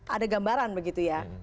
ada gambaran begitu ya